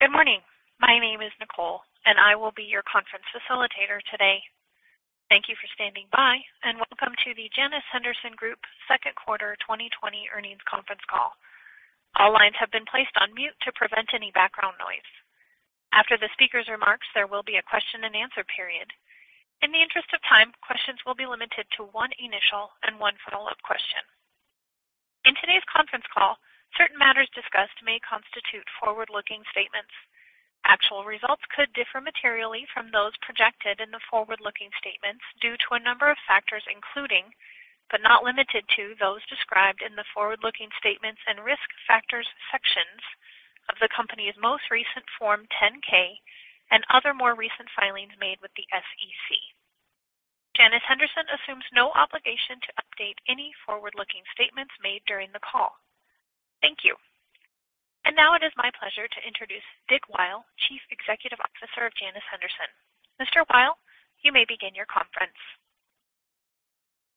Good morning. My name is Nicole, and I will be your conference facilitator today. Thank you for standing by, and welcome to the Janus Henderson Group second quarter 2020 earnings conference call. All lines have been placed on mute to prevent any background noise. After the speaker's remarks, there will be a question and answer period. In the interest of time, questions will be limited to one initial and one follow-up question. In today's conference call, certain matters discussed may constitute forward-looking statements. Actual results could differ materially from those projected in the forward-looking statements due to a number of factors, including, but not limited to, those described in the forward-looking statements and risk factors sections of the company's most recent Form 10-K and other more recent filings made with the SEC. Janus Henderson assumes no obligation to update any forward-looking statements made during the call. Thank you. Now it is my pleasure to introduce Dick Weil, Chief Executive Officer of Janus Henderson. Mr. Weil, you may begin your conference.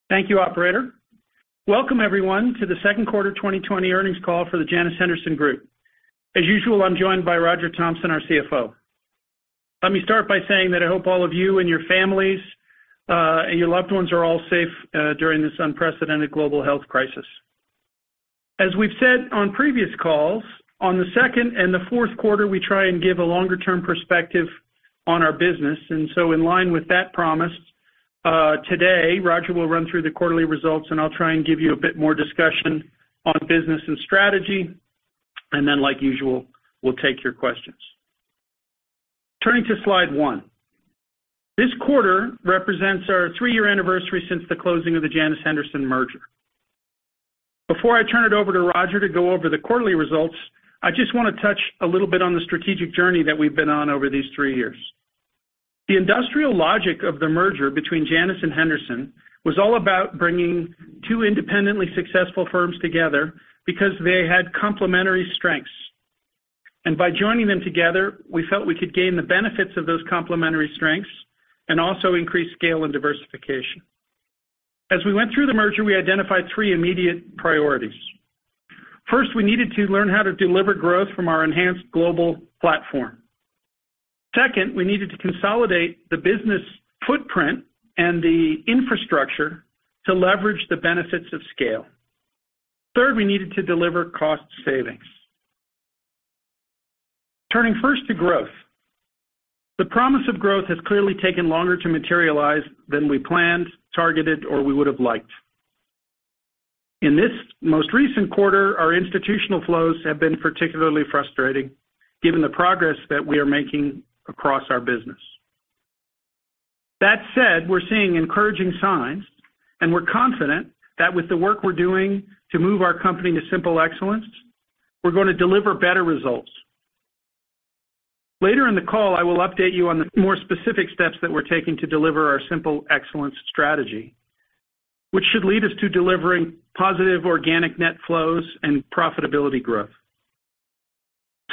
Thank you, operator. Welcome, everyone, to the second quarter 2020 earnings call for the Janus Henderson Group. As usual, I'm joined by Roger Thompson, our CFO. Let me start by saying that I hope all of you and your families, and your loved ones are all safe during this unprecedented global health crisis. As we've said on previous calls, on the second and the fourth quarter, we try and give a longer-term perspective on our business. In line with that promise, today Roger will run through the quarterly results, and I'll try and give you a bit more discussion on business and strategy. Then, like usual, we'll take your questions. Turning to slide one. This quarter represents our three-year anniversary since the closing of the Janus Henderson merger. Before I turn it over to Roger to go over the quarterly results, I just want to touch a little bit on the strategic journey that we've been on over these three years. The industrial logic of the merger between Janus and Henderson was all about bringing two independently successful firms together because they had complementary strengths. By joining them together, we felt we could gain the benefits of those complementary strengths and also increase scale and diversification. As we went through the merger, we identified three immediate priorities. First, we needed to learn how to deliver growth from our enhanced global platform. Second, we needed to consolidate the business footprint and the infrastructure to leverage the benefits of scale. Third, we needed to deliver cost savings. Turning first to growth. The promise of growth has clearly taken longer to materialize than we planned, targeted, or we would've liked. In this most recent quarter, our institutional flows have been particularly frustrating given the progress that we are making across our business. That said, we're seeing encouraging signs, and we're confident that with the work we're doing to move our company to Simple Excellence, we're going to deliver better results. Later in the call, I will update you on the more specific steps that we're taking to deliver our Simple Excellence strategy, which should lead us to delivering positive organic net flows and profitability growth.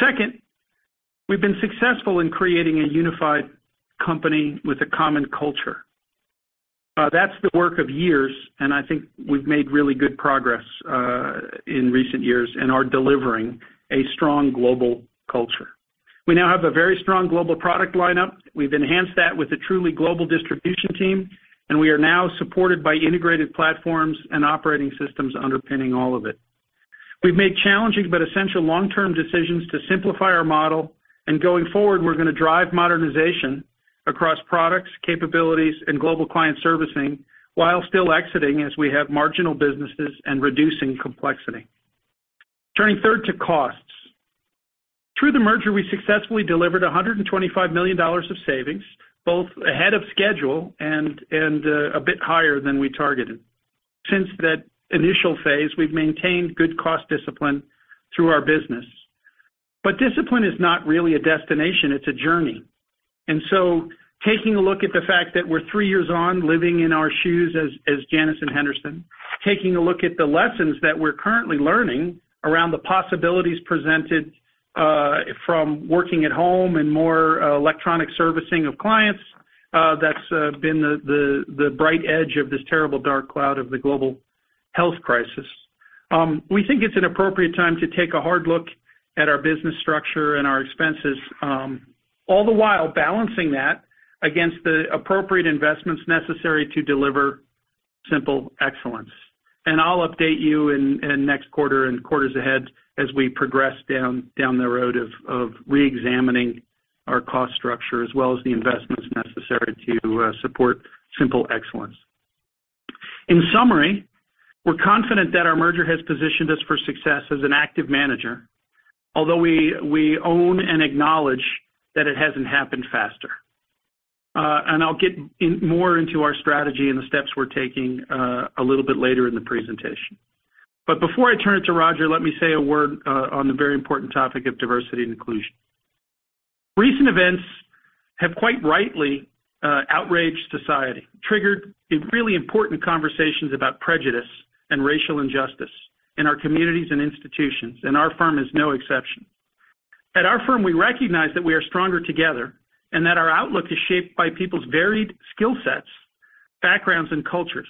Second, we've been successful in creating a unified company with a common culture. That's the work of years, and I think we've made really good progress in recent years and are delivering a strong global culture. We now have a very strong global product lineup. We've enhanced that with a truly global distribution team, and we are now supported by integrated platforms and operating systems underpinning all of it. We've made challenging but essential long-term decisions to simplify our model, and going forward, we're going to drive modernization across products, capabilities, and global client servicing while still exiting as we have marginal businesses and reducing complexity. Turning third to costs. Through the merger, we successfully delivered $125 million of savings, both ahead of schedule and a bit higher than we targeted. Since that initial phase, we've maintained good cost discipline through our business. Discipline is not really a destination, it's a journey. Taking a look at the fact that we're three years on living in our shoes as Janus and Henderson, taking a look at the lessons that we're currently learning around the possibilities presented from working at home and more electronic servicing of clients, that's been the bright edge of this terrible dark cloud of the global health crisis. We think it's an appropriate time to take a hard look at our business structure and our expenses, all the while balancing that against the appropriate investments necessary to deliver simple excellence. I'll update you in next quarter and quarters ahead as we progress down the road of re-examining our cost structure, as well as the investments necessary to support simple excellence. In summary, we're confident that our merger has positioned us for success as an active manager. Although we own and acknowledge that it hasn't happened faster. I'll get more into our strategy and the steps we're taking a little bit later in the presentation. Before I turn it to Roger, let me say a word on the very important topic of diversity and inclusion. Recent events have quite rightly outraged society, triggered really important conversations about prejudice and racial injustice in our communities and institutions, and our firm is no exception. At our firm, we recognize that we are Stronger Together and that our outlook is shaped by people's varied skill sets, backgrounds and cultures.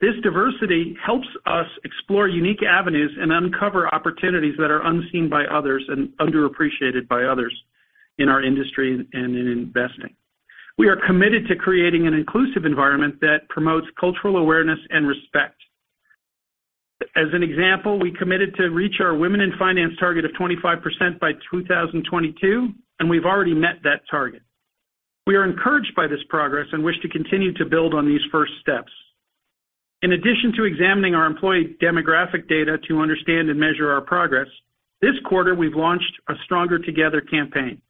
This diversity helps us explore unique avenues and uncover opportunities that are unseen by others and underappreciated by others in our industry and in investing. We are committed to creating an inclusive environment that promotes cultural awareness and respect. As an example, we committed to reach our women in finance target of 25% by 2022, and we've already met that target. We are encouraged by this progress and wish to continue to build on these first steps. In addition to examining our employee demographic data to understand and measure our progress, this quarter, we've launched a Stronger Together campaign.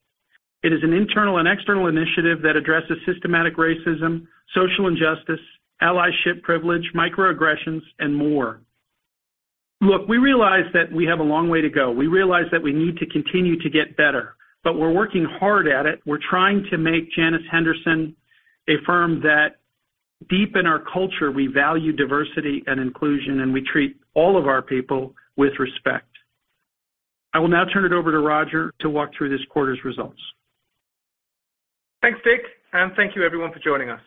It is an internal and external initiative that addresses systematic racism, social injustice, allyship privilege, microaggressions, and more. Look, we realize that we have a long way to go. We realize that we need to continue to get better, but we're working hard at it. We're trying to make Janus Henderson a firm that deep in our culture, we value diversity and inclusion, and we treat all of our people with respect. I will now turn it over to Roger to walk through this quarter's results. Thanks, Dick, and thank you everyone for joining us.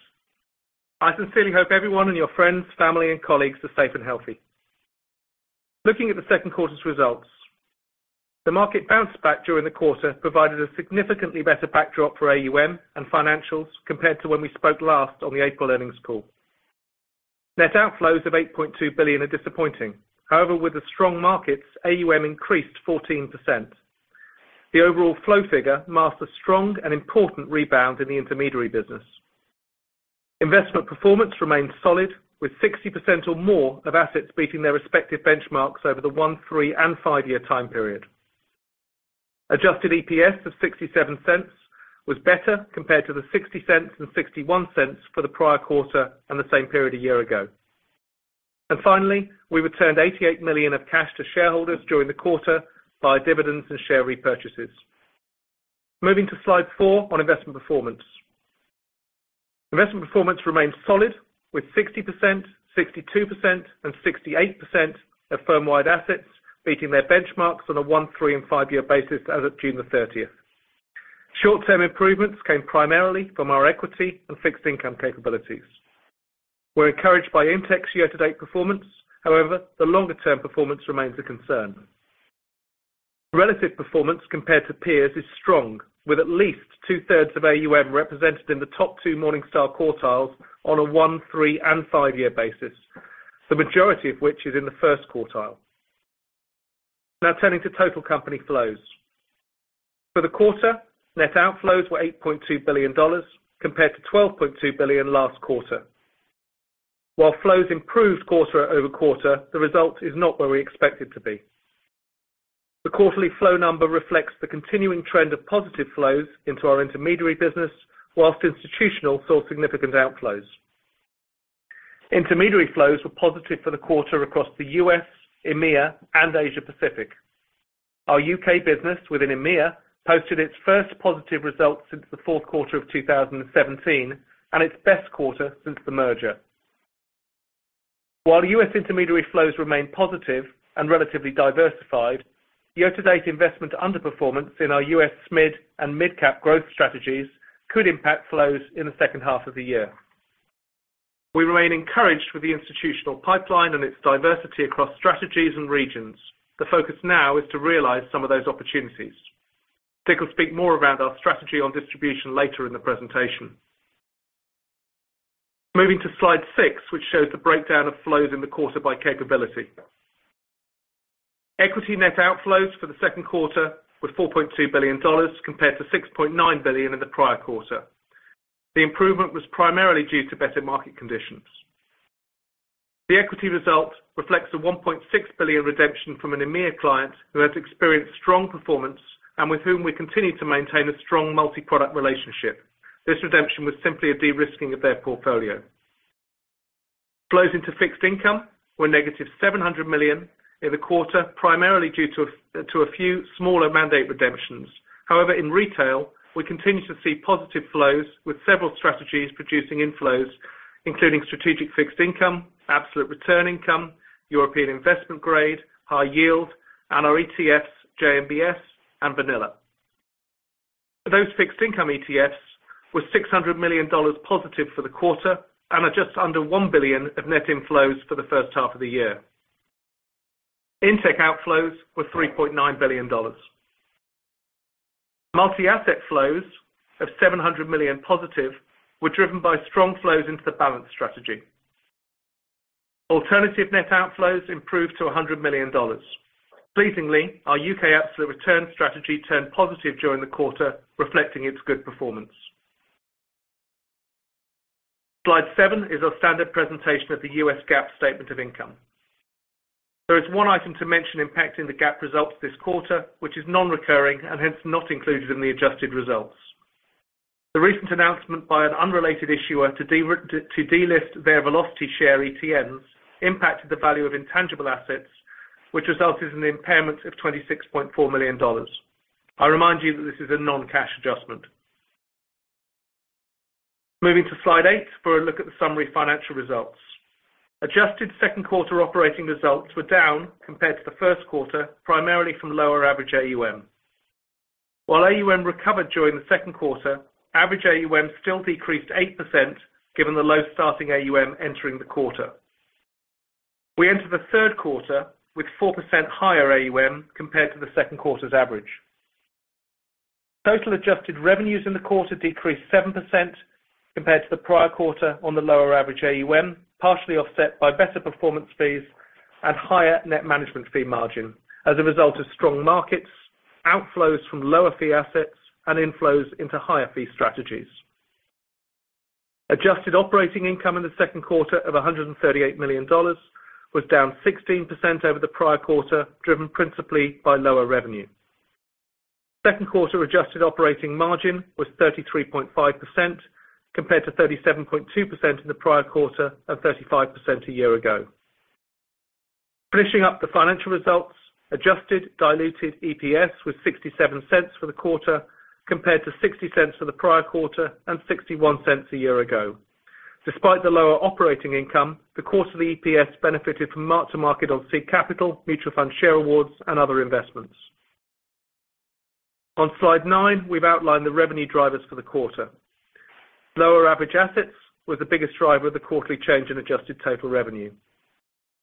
I sincerely hope everyone and your friends, family, and colleagues are safe and healthy. Looking at the second quarter's results. The market bounce back during the quarter provided a significantly better backdrop for AUM and financials compared to when we spoke last on the April earnings call. Net outflows of $8.2 billion are disappointing. However, with the strong markets, AUM increased 14%. The overall flow figure marks a strong and important rebound in the intermediary business. Investment performance remains solid, with 60% or more of assets beating their respective benchmarks over the one, three, and five-year time period. Adjusted EPS of $0.67 was better compared to the $0.60 and $0.61 for the prior quarter and the same period a year ago. Finally, we returned $88 million of cash to shareholders during the quarter via dividends and share repurchases. Moving to slide four on investment performance. Investment performance remains solid, with 60%, 62% and 68% of firm-wide assets beating their benchmarks on a one, three, and five-year basis as of June 30th. Short-term improvements came primarily from our equity and fixed income capabilities. We're encouraged by INTECH's year-to-date performance. The longer term performance remains a concern. Relative performance compared to peers is strong, with at least two-thirds of AUM represented in the top two Morningstar quartiles on a one, three, and five-year basis, the majority of which is in the first quartile. Turning to total company flows. For the quarter, net outflows were $8.2 billion compared to $12.2 billion last quarter. Flows improved quarter-over-quarter, the result is not where we expect it to be. The quarterly flow number reflects the continuing trend of positive flows into our intermediary business, whilst institutional saw significant outflows. Intermediary flows were positive for the quarter across the U.S., EMEA, and Asia-Pacific. Our U.K. business within EMEA posted its first positive result since the fourth quarter of 2017 and its best quarter since the merger. While U.S. intermediary flows remain positive and relatively diversified, year-to-date investment underperformance in our U.S. SMID and mid-cap growth strategies could impact flows in the second half of the year. We remain encouraged with the institutional pipeline and its diversity across strategies and regions. The focus now is to realize some of those opportunities. Dick will speak more around our strategy on distribution later in the presentation. Moving to slide six, which shows the breakdown of flows in the quarter by capability. Equity net outflows for the second quarter were $4.2 billion compared to $6.9 billion in the prior quarter. The improvement was primarily due to better market conditions. The equity result reflects a $1.6 billion redemption from an EMEA client who has experienced strong performance and with whom we continue to maintain a strong multi-product relationship. This redemption was simply a de-risking of their portfolio. Flows into fixed income were -$700 million in the quarter, primarily due to a few smaller mandate redemptions. In retail, we continue to see positive flows with several strategies producing inflows, including strategic fixed income, absolute return income, European investment grade, high yield, and our ETFs, JMBS, and VNLA. Those fixed income ETFs were $600 million positive for the quarter and are just under $1 billion of net inflows for the first half of the year. INTECH outflows were $3.9 billion. Multi-asset flows of +$700 million were driven by strong flows into the Balanced strategy. Alternative net outflows improved to $100 million. Pleasingly, our U.K. Absolute Return Strategy turned positive during the quarter, reflecting its good performance. Slide seven is our standard presentation of the U.S. GAAP statement of income. There is one item to mention impacting the GAAP results this quarter, which is non-recurring and hence not included in the adjusted results. The recent announcement by an unrelated issuer to delist their VelocityShares ETNs impacted the value of intangible assets, which resulted in the impairment of $26.4 million. I remind you that this is a non-cash adjustment. Moving to slide eight for a look at the summary financial results. Adjusted second quarter operating results were down compared to the first quarter, primarily from lower average AUM. While AUM recovered during the second quarter, average AUM still decreased 8% given the low starting AUM entering the quarter. We enter the third quarter with 4% higher AUM compared to the second quarter's average. Total adjusted revenues in the quarter decreased 7% compared to the prior quarter on the lower average AUM, partially offset by better performance fees and higher net management fee margin as a result of strong markets, outflows from lower fee assets, and inflows into higher fee strategies. Adjusted operating income in the second quarter of $138 million was down 16% over the prior quarter, driven principally by lower revenue. Second quarter adjusted operating margin was 33.5% compared to 37.2% in the prior quarter and 35% a year ago. Finishing up the financial results, adjusted diluted EPS was $0.67 for the quarter, compared to $0.60 for the prior quarter and $0.61 a year ago. Despite the lower operating income, the cost of EPS benefited from mark-to-market on seed capital, mutual fund share awards, and other investments. On slide nine, we've outlined the revenue drivers for the quarter. Lower average assets was the biggest driver of the quarterly change in adjusted total revenue.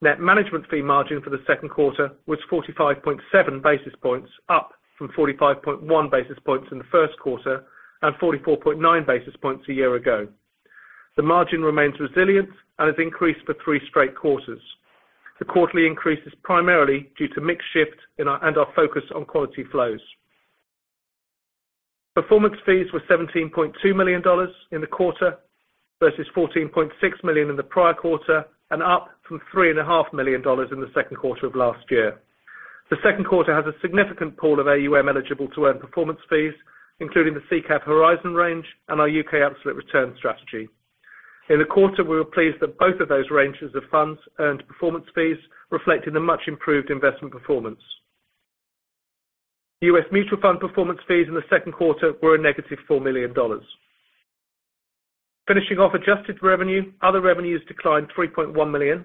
Net management fee margin for the second quarter was 45.7 basis points, up from 45.1 basis points in the first quarter and 44.9 basis points a year ago. The margin remains resilient and has increased for three straight quarters. The quarterly increase is primarily due to mix shift and our focus on quality flows. Performance fees were $17.2 million in the quarter versus $14.6 million in the prior quarter and up from $3.5 million in the second quarter of last year. The second quarter has a significant pool of AUM eligible to earn performance fees, including the SICAV Horizon Range and our U.K. Absolute Return Strategy. In the quarter, we were pleased that both of those ranges of funds earned performance fees, reflecting the much-improved investment performance. U.S. mutual fund performance fees in the second quarter were a -$4 million. Finishing off adjusted revenue, other revenues declined $3.1 million,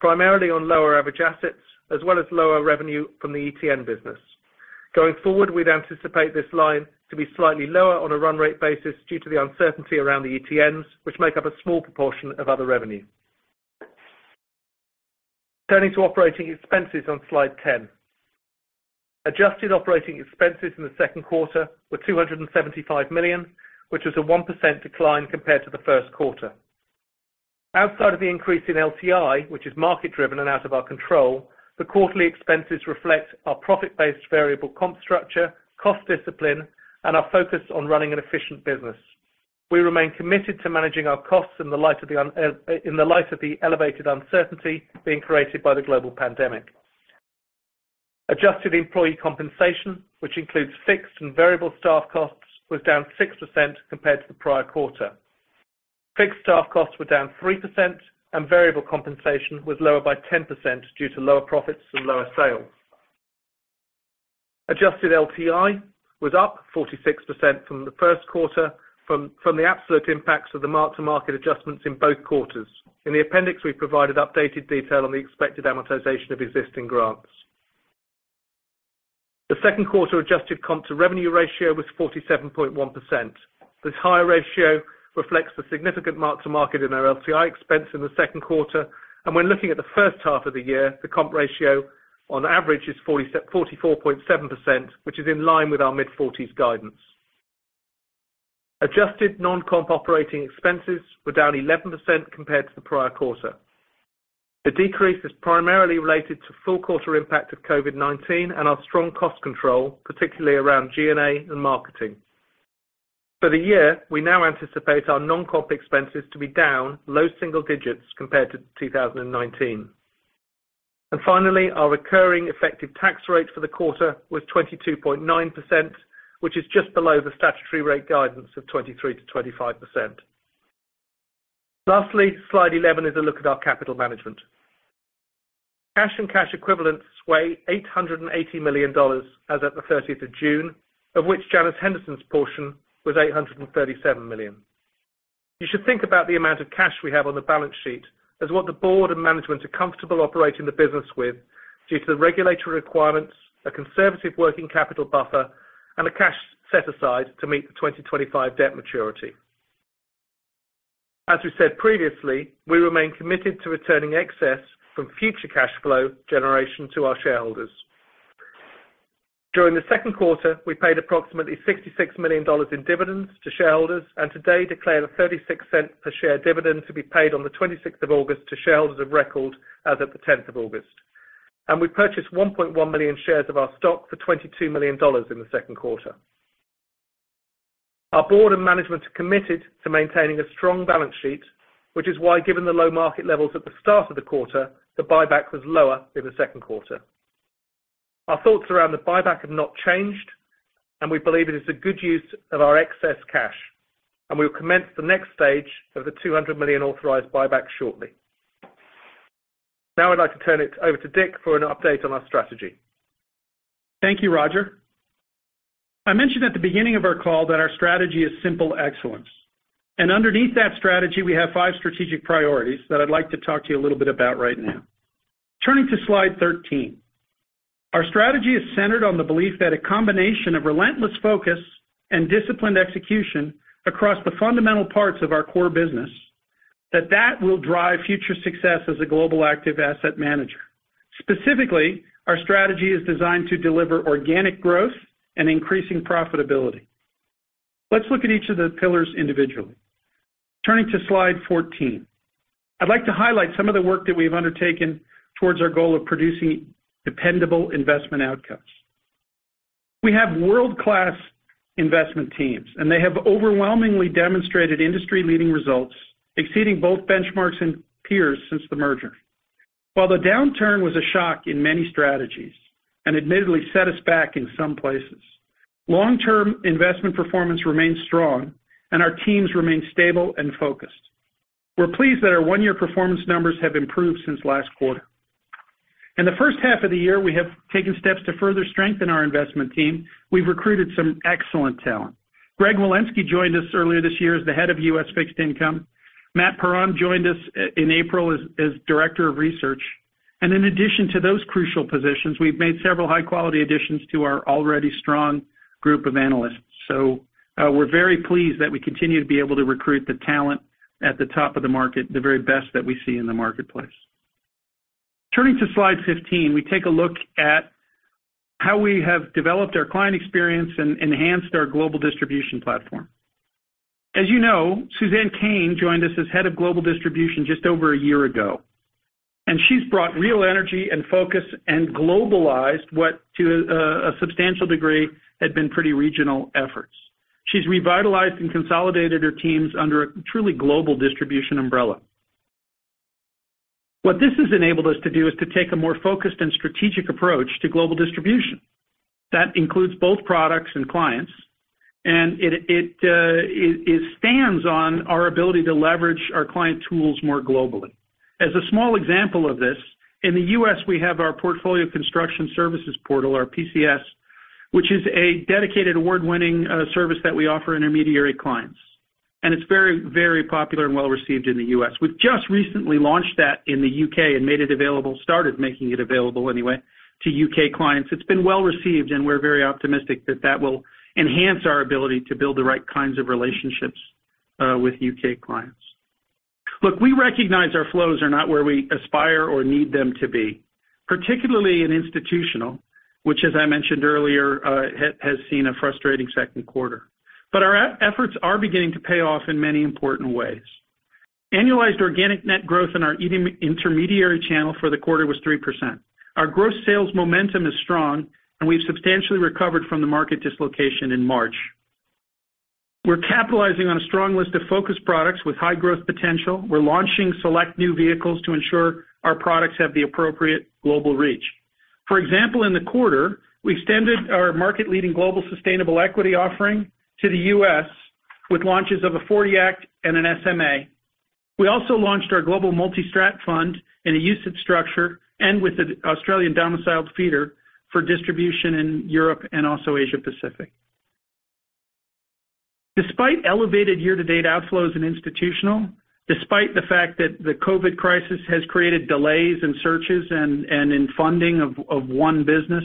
primarily on lower average assets as well as lower revenue from the ETN business. Going forward, we'd anticipate this line to be slightly lower on a run rate basis due to the uncertainty around the ETNs, which make up a small proportion of other revenue. Turning to operating expenses on Slide 10. Adjusted operating expenses in the second quarter were $275 million, which was a 1% decline compared to the first quarter. Outside of the increase in LTI, which is market driven and out of our control, the quarterly expenses reflect our profit-based variable comp structure, cost discipline, and our focus on running an efficient business. We remain committed to managing our costs in the light of the elevated uncertainty being created by the global pandemic. Adjusted employee compensation, which includes fixed and variable staff costs, was down 6% compared to the prior quarter. Fixed staff costs were down 3% and variable compensation was lower by 10% due to lower profits and lower sales. Adjusted LTI was up 46% from the first quarter from the absolute impacts of the mark-to-market adjustments in both quarters. In the appendix, we provided updated detail on the expected amortization of existing grants. The second quarter adjusted comp to revenue ratio was 47.1%. This higher ratio reflects the significant mark to market in our LTI expense in the second quarter. When looking at the first half of the year, the comp ratio on average is 44.7%, which is in line with our mid-40%s guidance. Adjusted non-comp operating expenses were down 11% compared to the prior quarter. The decrease is primarily related to full quarter impact of COVID-19 and our strong cost control, particularly around G&A and marketing. For the year, we now anticipate our non-comp expenses to be down low single digits compared to 2019. Finally, our recurring effective tax rate for the quarter was 22.9%, which is just below the statutory rate guidance of 23%-25%. Lastly, slide 11 is a look at our capital management. Cash and cash equivalents weigh $880 million as at the 30th of June, of which Janus Henderson's portion was $837 million. You should think about the amount of cash we have on the balance sheet as what the board and management are comfortable operating the business with due to the regulatory requirements, a conservative working capital buffer, and a cash set aside to meet the 2025 debt maturity. As we said previously, we remain committed to returning excess from future cash flow generation to our shareholders. During the second quarter, we paid approximately $66 million in dividends to shareholders and today declared a $0.36 per share dividend to be paid on the 26th of August to shareholders of record as of the 10th of August. We purchased 1.1 million shares of our stock for $22 million in the second quarter. Our board and management are committed to maintaining a strong balance sheet, which is why, given the low market levels at the start of the quarter, the buyback was lower in the second quarter. Our thoughts around the buyback have not changed, and we believe it is a good use of our excess cash. We will commence the next stage of the $200 million authorized buyback shortly. Now I'd like to turn it over to Dick for an update on our strategy. Thank you, Roger. I mentioned at the beginning of our call that our strategy is simple excellence. Underneath that strategy, we have five strategic priorities that I'd like to talk to you a little bit about right now. Turning to slide 13. Our strategy is centered on the belief that a combination of relentless focus and disciplined execution across the fundamental parts of our core business, that will drive future success as a global active asset manager. Specifically, our strategy is designed to deliver organic growth and increasing profitability. Let's look at each of the pillars individually. Turning to slide 14. I'd like to highlight some of the work that we've undertaken towards our goal of producing dependable investment outcomes. We have world-class investment teams, and they have overwhelmingly demonstrated industry-leading results, exceeding both benchmarks and peers since the merger. While the downturn was a shock in many strategies, and admittedly set us back in some places, long-term investment performance remains strong, and our teams remain stable and focused. We're pleased that our one-year performance numbers have improved since last quarter. In the first half of the year, we have taken steps to further strengthen our investment team. We've recruited some excellent talent. Greg Wilensky joined us earlier this year as the Head of U.S. Fixed Income. Matt Peron joined us in April as Director of Research. In addition to those crucial positions, we've made several high-quality additions to our already strong group of analysts. We're very pleased that we continue to be able to recruit the talent at the top of the market, the very best that we see in the marketplace. Turning to slide 15, we take a look at how we have developed our client experience and enhanced our global distribution platform. As you know, Suzanne Cain joined us as Head of Global Distribution just over a year ago. She's brought real energy and focus and globalized what, to a substantial degree, had been pretty regional efforts. She's revitalized and consolidated her teams under a truly global distribution umbrella. What this has enabled us to do is to take a more focused and strategic approach to global distribution. That includes both products and clients, and it stands on our ability to leverage our client tools more globally. As a small example of this, in the U.S., we have our portfolio construction services portal, our PCS, which is a dedicated award-winning service that we offer intermediary clients. It's very, very popular and well-received in the U.S. We've just recently launched that in the U.K. and made it available, started making it available anyway, to U.K. clients. It's been well received, and we're very optimistic that that will enhance our ability to build the right kinds of relationships with U.K. clients. Look, we recognize our flows are not where we aspire or need them to be, particularly in institutional, which as I mentioned earlier, has seen a frustrating second quarter. Our efforts are beginning to pay off in many important ways. Annualized organic net growth in our intermediary channel for the quarter was 3%. Our gross sales momentum is strong, and we've substantially recovered from the market dislocation in March. We're capitalizing on a strong list of focused products with high growth potential. We're launching select new vehicles to ensure our products have the appropriate global reach. For example, in the quarter, we extended our market-leading global sustainable equity offering to the U.S. with launches of a '40 Act and an SMA. We also launched our global multi-strat fund in a UCITS structure and with an Australian-domiciled feeder for distribution in Europe and also Asia Pacific. Despite elevated year-to-date outflows in institutional, despite the fact that the COVID crisis has created delays in searches and in funding of one business,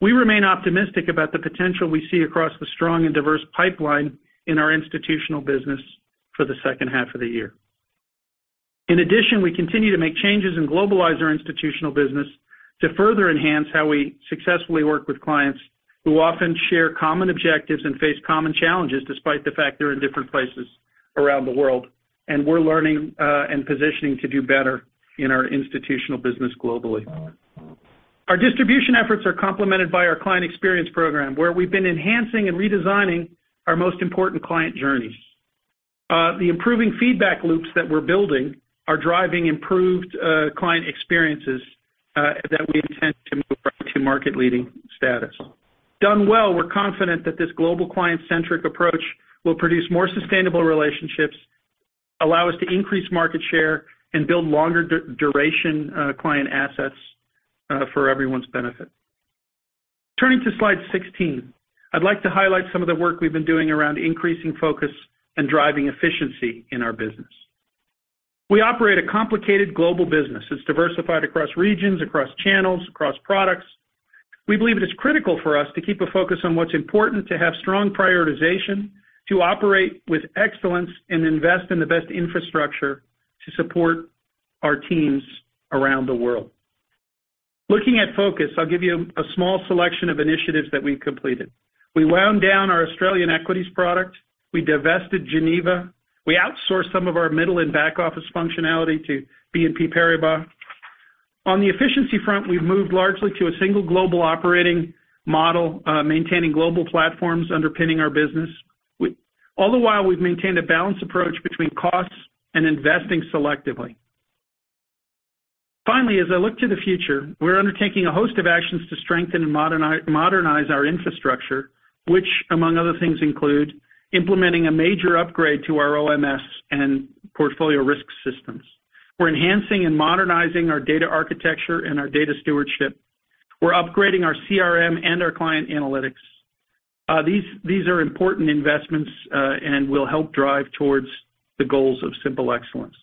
we remain optimistic about the potential we see across the strong and diverse pipeline in our institutional business for the second half of the year. In addition, we continue to make changes and globalize our institutional business to further enhance how we successfully work with clients who often share common objectives and face common challenges, despite the fact they're in different places around the world. We're learning and positioning to do better in our institutional business globally. Our distribution efforts are complemented by our client experience program, where we've been enhancing and redesigning our most important client journeys. The improving feedback loops that we're building are driving improved client experiences that we intend to move up to market leading status. Done well, we're confident that this global client-centric approach will produce more sustainable relationships, allow us to increase market share, and build longer duration client assets for everyone's benefit. Turning to slide 16. I'd like to highlight some of the work we've been doing around increasing focus and driving efficiency in our business. We operate a complicated global business. It's diversified across regions, across channels, across products. We believe it is critical for us to keep a focus on what's important, to have strong prioritization, to operate with excellence, and invest in the best infrastructure to support our teams around the world. Looking at focus, I'll give you a small selection of initiatives that we completed. We wound down our Australian equities product. We divested Geneva. We outsourced some of our middle and back-office functionality to BNP Paribas. On the efficiency front, we've moved largely to a single global operating model, maintaining global platforms underpinning our business. All the while, we've maintained a balanced approach between costs and investing selectively. Finally, as I look to the future, we're undertaking a host of actions to strengthen and modernize our infrastructure, which among other things include implementing a major upgrade to our OMS and portfolio risk systems. We're enhancing and modernizing our data architecture and our data stewardship. We're upgrading our CRM and our client analytics. These are important investments, will help drive towards the goals of simple excellence.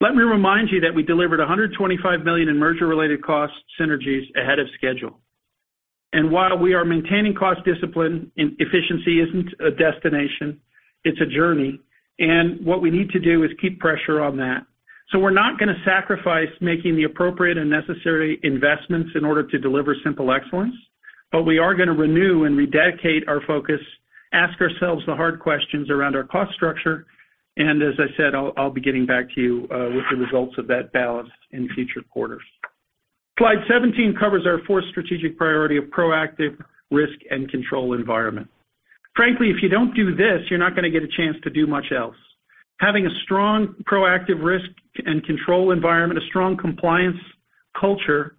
Let me remind you that we delivered $125 million in merger-related cost synergies ahead of schedule. While we are maintaining cost discipline, efficiency isn't a destination, it's a journey. What we need to do is keep pressure on that. We're not going to sacrifice making the appropriate and necessary investments in order to deliver simple excellence, we are going to renew and rededicate our focus, ask ourselves the hard questions around our cost structure, as I said, I'll be getting back to you with the results of that balance in future quarters. Slide 17 covers our fourth strategic priority of proactive risk and control environment. Frankly, if you don't do this, you're not going to get a chance to do much else. Having a strong proactive risk and control environment, a strong compliance culture,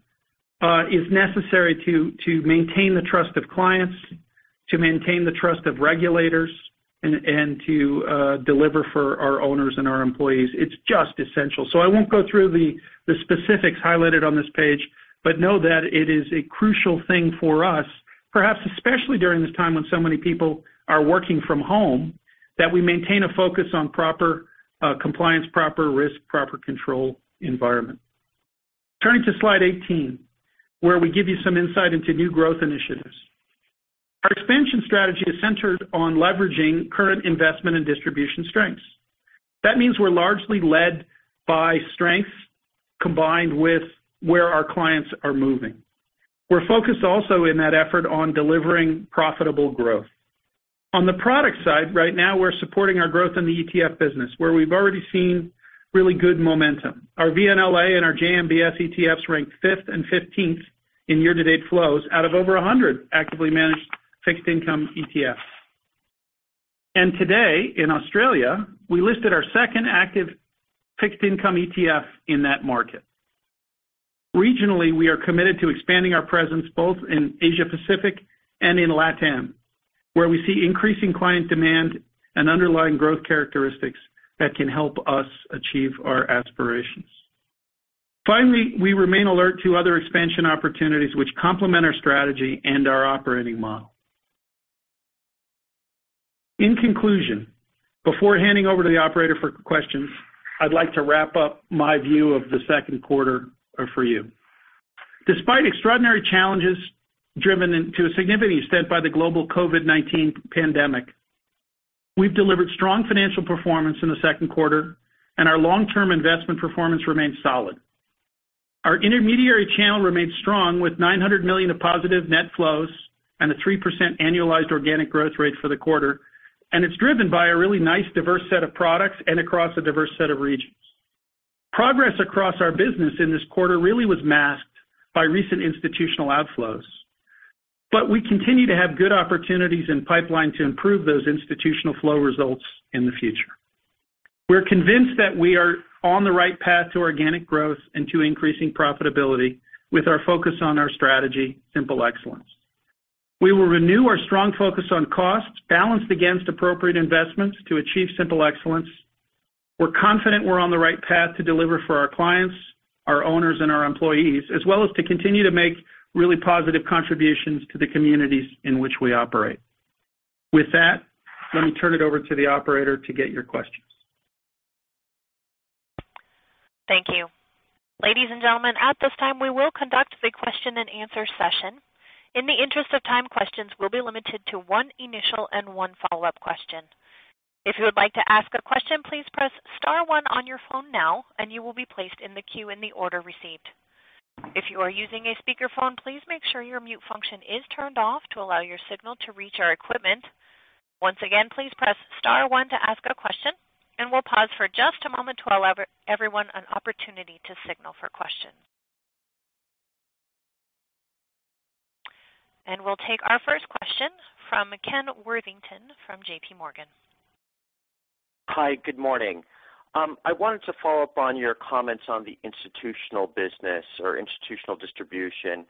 is necessary to maintain the trust of clients, to maintain the trust of regulators, and to deliver for our owners and our employees. It's just essential. I won't go through the specifics highlighted on this page, but know that it is a crucial thing for us, perhaps especially during this time when so many people are working from home, that we maintain a focus on proper compliance, proper risk, proper control environment. Turning to slide 18, where we give you some insight into new growth initiatives. Our expansion strategy is centered on leveraging current investment and distribution strengths. That means we're largely led by strengths combined with where our clients are moving. We're focused also in that effort on delivering profitable growth. On the product side, right now we're supporting our growth in the ETF business where we've already seen really good momentum. Our VNLA and our JMBS ETFs ranked fifth and 15th in year-to-date flows out of over 100 actively managed fixed income ETFs. Today, in Australia, we listed our second active fixed income ETF in that market. Regionally, we are committed to expanding our presence both in Asia Pacific and in LATAM, where we see increasing client demand and underlying growth characteristics that can help us achieve our aspirations. Finally, we remain alert to other expansion opportunities which complement our strategy and our operating model. In conclusion, before handing over to the operator for questions, I'd like to wrap up my view of the second quarter for you. Despite extraordinary challenges driven to a significant extent by the global COVID-19 pandemic, we've delivered strong financial performance in the second quarter, and our long-term investment performance remains solid. Our intermediary channel remains strong with $900 million of positive net flows and a 3% annualized organic growth rate for the quarter. It's driven by a really nice diverse set of products and across a diverse set of regions. Progress across our business in this quarter really was masked by recent institutional outflows. We continue to have good opportunities in pipeline to improve those institutional flow results in the future. We're convinced that we are on the right path to organic growth and to increasing profitability with our focus on our strategy, simple excellence. We will renew our strong focus on costs balanced against appropriate investments to achieve simple excellence. We're confident we're on the right path to deliver for our clients, our owners, and our employees, as well as to continue to make really positive contributions to the communities in which we operate. With that, let me turn it over to the operator to get your questions. Thank you. Ladies and gentlemen, at this time we will conduct the question and answer session. In the interest of time, questions will be limited to one initial and one follow-up question. If you would like to ask a question, please press star one on your phone now, and you will be placed in the queue in the order received. If you are using a speakerphone, please make sure your mute function is turned off to allow your signal to reach our equipment. Once again, please press star one to ask a question, and we'll pause for just a moment to allow everyone an opportunity to signal for questions. We'll take our first question from Ken Worthington from JPMorgan. Hi, good morning. I wanted to follow up on your comments on the institutional business or institutional distribution.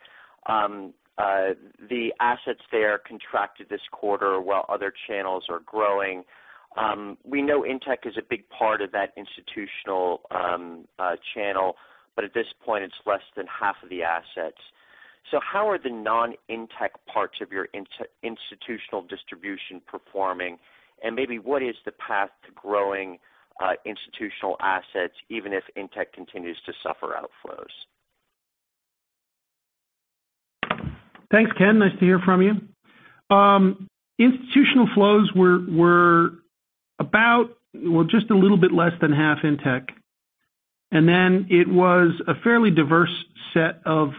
The assets there contracted this quarter while other channels are growing. We know INTECH is a big part of that institutional channel, but at this point it's less than half of the assets. How are the non-INTECH parts of your institutional distribution performing? Maybe what is the path to growing institutional assets even if INTECH continues to suffer outflows? Thanks, Ken. Nice to hear from you. Institutional flows were just a little bit less than half INTECH. It was a fairly diverse set of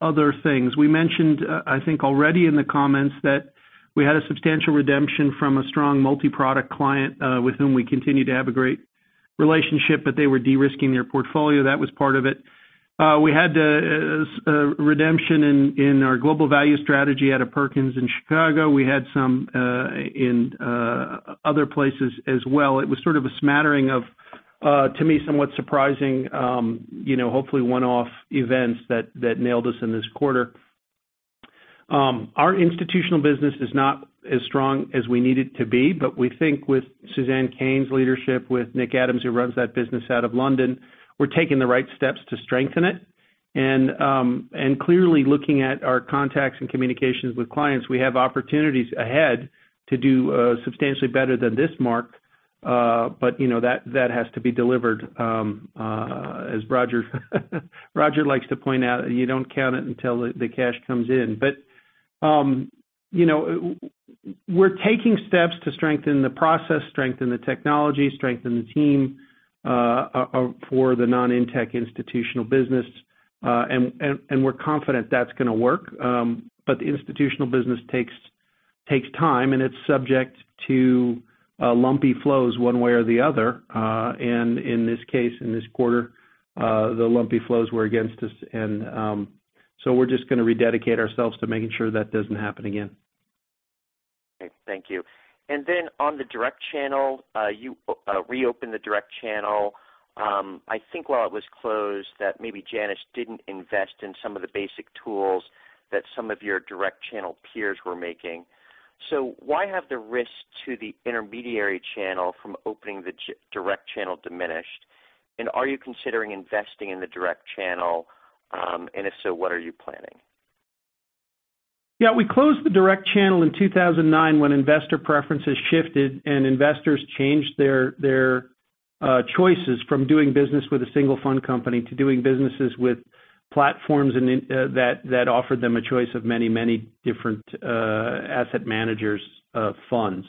other things. We mentioned, I think already in the comments, that we had a substantial redemption from a strong multi-product client, with whom we continue to have a great relationship, but they were de-risking their portfolio. That was part of it. We had a redemption in our global value strategy out of Perkins in Chicago. We had some in other places as well. It was sort of a smattering of, to me, somewhat surprising, hopefully one-off events that nailed us in this quarter. Our institutional business is not as strong as we need it to be. We think with Suzanne Cain's leadership, with Nick Adams, who runs that business out of London, we're taking the right steps to strengthen it. Clearly, looking at our contacts and communications with clients, we have opportunities ahead to do substantially better than this mark. That has to be delivered, as Roger likes to point out, you don't count it until the cash comes in. We're taking steps to strengthen the process, strengthen the technology, strengthen the team for the non-INTECH institutional business. We're confident that's going to work. The institutional business takes time, and it's subject to lumpy flows one way or the other. In this case, in this quarter, the lumpy flows were against us, and so we're just going to rededicate ourselves to making sure that doesn't happen again. Okay. Thank you. Then on the direct channel, you reopened the direct channel. I think while it was closed, that maybe Janus didn't invest in some of the basic tools that some of your direct channel peers were making. Why have the risks to the intermediary channel from opening the direct channel diminished? Are you considering investing in the direct channel? If so, what are you planning? Yeah. We closed the direct channel in 2009 when investor preferences shifted and investors changed their choices from doing business with a single fund company to doing businesses with platforms that offered them a choice of many different asset managers' funds.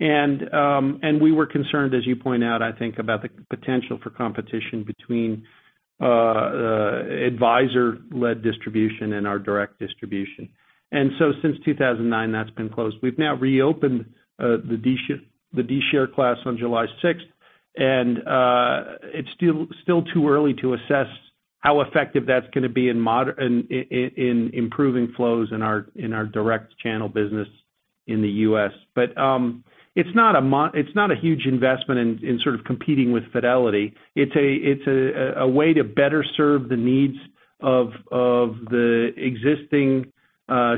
We were concerned, as you point out, I think, about the potential for competition between advisor-led distribution and our direct distribution. Since 2009, that's been closed. We've now reopened the D share class on July 6th. It's still too early to assess how effective that's going to be in improving flows in our direct channel business in the U.S. It's not a huge investment in sort of competing with Fidelity. It's a way to better serve the needs of the existing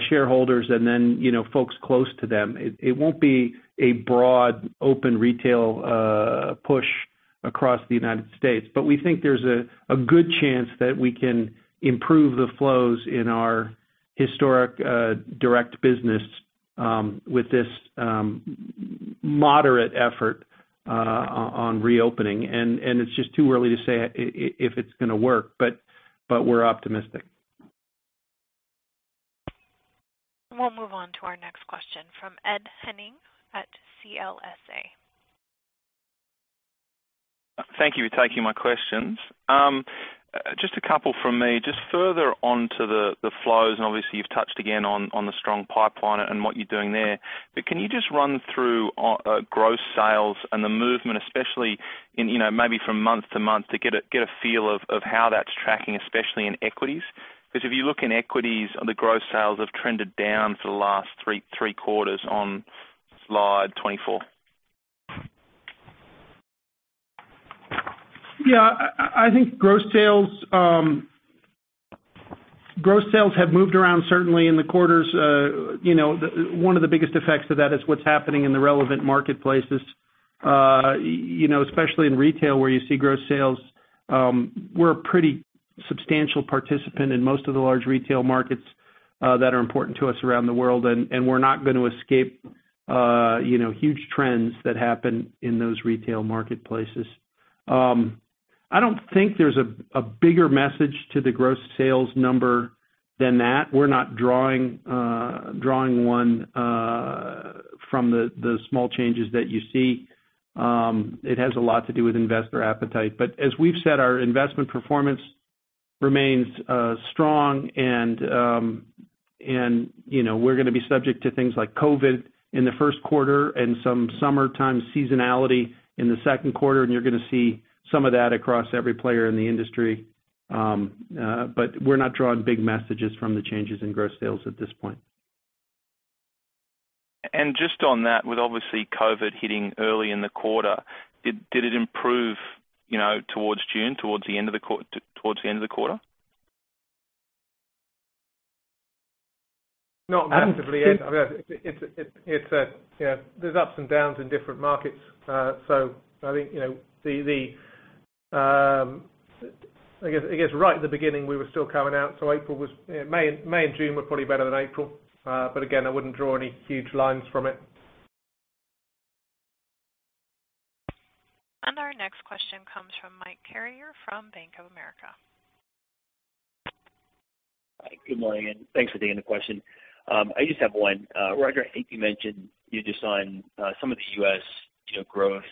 shareholders and folks close to them. It won't be a broad, open retail push across the United States. We think there's a good chance that we can improve the flows in our historic direct business with this moderate effort on reopening. It's just too early to say if it's going to work, but we're optimistic. We'll move on to our next question from Ed Henning at CLSA. Thank you for taking my questions. Just a couple from me. Just further on to the flows, and obviously you've touched again on the strong pipeline and what you're doing there. Can you just run through gross sales and the movement, especially maybe from month to month to get a feel of how that's tracking, especially in equities? If you look in equities, the gross sales have trended down for the last three quarters on slide 24. I think gross sales have moved around certainly in the quarters. One of the biggest effects of that is what's happening in the relevant marketplaces, especially in retail, where you see gross sales. We're a pretty substantial participant in most of the large retail markets that are important to us around the world, and we're not going to escape huge trends that happen in those retail marketplaces. I don't think there's a bigger message to the gross sales number than that. We're not drawing one from the small changes that you see. It has a lot to do with investor appetite. As we've said, our investment performance remains strong, and we're going to be subject to things like COVID-19 in the first quarter and some summertime seasonality in the second quarter, and you're going to see some of that across every player in the industry. We're not drawing big messages from the changes in gross sales at this point. Just on that, with obviously COVID hitting early in the quarter, did it improve towards June, towards the end of the quarter? Not massively. There's ups and downs in different markets. I think, I guess right at the beginning, we were still coming out. May and June were probably better than April. Again, I wouldn't draw any huge lines from it. Our next question comes from Mike Carrier from Bank of America. Good morning, and thanks for taking the question. I just have one. Roger, I think you mentioned just on some of the U.S. growth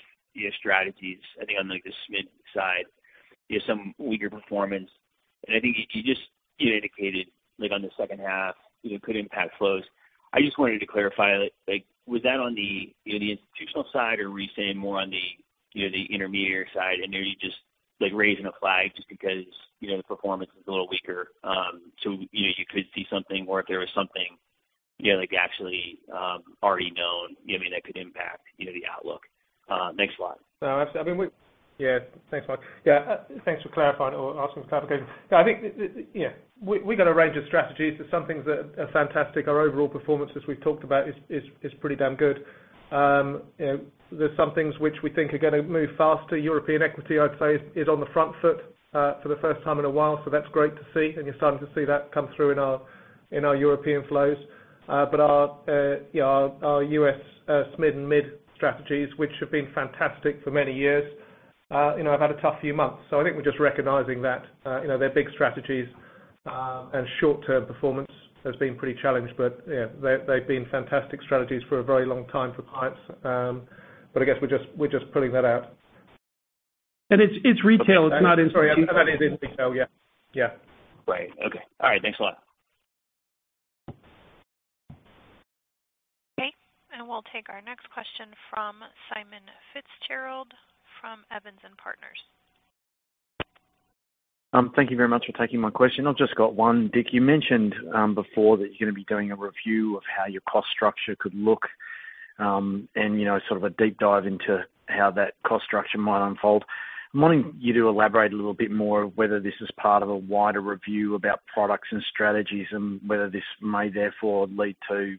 strategies, I think on the SMID side, some weaker performance. I think you just indicated on the second half, could impact flows. I just wanted to clarify, was that on the institutional side, or were you saying more on the intermediary side, and are you just raising a flag just because the performance is a little weaker, so you could see something? Or if there was something actually already known that could impact the outlook? Thanks a lot. Yeah. Thanks, Mike. Yeah, thanks for clarifying or asking for clarification. I think we've got a range of strategies. There's some things that are fantastic. Our overall performance, as we've talked about, is pretty damn good. There's some things which we think are going to move faster. European equity, I'd say, is on the front foot for the first time in a while. That's great to see, and you're starting to see that come through in our European flows. Our U.S. SMID and mid strategies, which have been fantastic for many years, have had a tough few months. I think we're just recognizing that they're big strategies, and short-term performance has been pretty challenged. They've been fantastic strategies for a very long time for clients. I guess we're just pulling that out. It's retail, it's not institutional. Sorry. That is in retail, yeah. Right. Okay. All right. Thanks a lot. Okay. We'll take our next question from Simon Fitzgerald from Evans and Partners. Thank you very much for taking my question. I've just got one. Dick, you mentioned before that you're going to be doing a review of how your cost structure could look, and sort of a deep dive into how that cost structure might unfold. I'm wanting you to elaborate a little bit more of whether this is part of a wider review about products and strategies, and whether this may therefore lead to